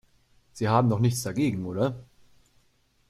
Sie haben doch nichts dagegen, oder?